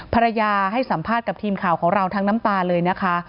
ภรรยาให้สัมภาษณ์กับทีมข่าวของเราทั้งน้ำตาเลยนะคะ